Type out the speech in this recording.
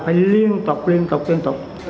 phải liên tục liên tục liên tục